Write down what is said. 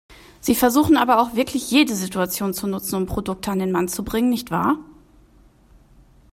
Sie versuchen aber auch wirklich jede Situation zu nutzen, um Produkte an den Mann zu bringen, nicht wahr?